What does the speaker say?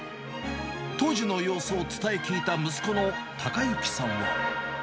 当時の様子を伝え聞いた息子の孝之さんは。